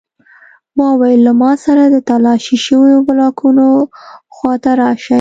ما وویل له ما سره د تالاشي شویو بلاکونو خواته راشئ